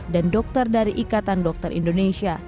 dan dokter dari ikatan dokter indonesia